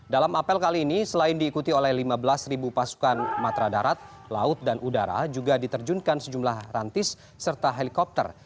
dalam apel kali ini selain diikuti oleh lima belas ribu pasukan matra darat laut dan udara juga diterjunkan sejumlah rantis serta helikopter